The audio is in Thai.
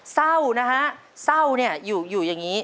เศร้านะคะเศร้าอยู่อย่างนี้